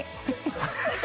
ハハハハ！